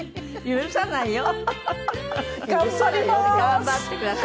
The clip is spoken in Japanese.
許さないよ。